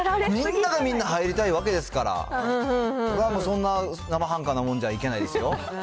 みんながみんな入りたいわけですから、そんな生半可なもんじゃいけないですよ。